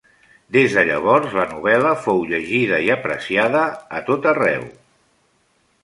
Des de llavors la novel·la fou llegida i apreciada tot arreu.